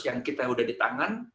yang kita udah di tangan